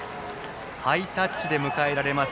ハイタッチで迎えられます